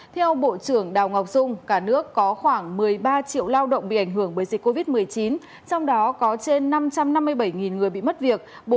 theo bộ trưởng đào ngọc dung cả nước có khoảng một mươi ba triệu lao động bị ảnh hưởng bởi dịch covid một mươi chín trong đó có trên năm trăm năm mươi bảy người bị mất việc